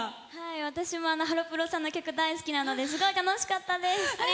私もハロプロさんの曲大好きなのですごい楽しかったです！